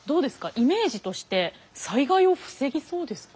イメージとして災害を防ぎそうですか？